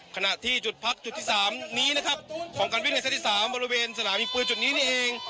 ขณะที่จุดพักที่๓ของการวิ่งเซ็ตที่๓บริเวณสนามยิงปืนจุดนี้นี้เอง